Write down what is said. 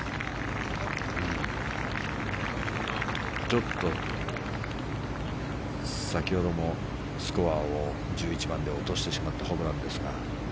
ちょっと、先ほどもスコアを１１番で落としてしまったホブランですが。